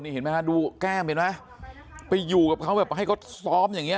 เห็นไหมฮะดูแก้มเห็นไหมไปอยู่กับเขาแบบให้เขาซ้อมอย่างเงี้